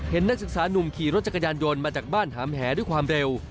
นักศึกษานุ่มขี่รถจักรยานยนต์มาจากบ้านหามแหด้วยความเร็ว